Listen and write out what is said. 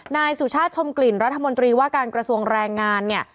นายสุชาติชมกลิ่นรัฐมนตรีว่าการกระทรวงแรงงานเนี่ย